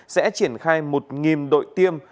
sẽ triển khai một đội tiêm